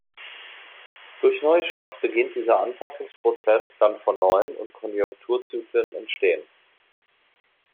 Durch neue Schocks beginnt dieser Anpassungsprozess dann von neuem und Konjunkturzyklen entstehen.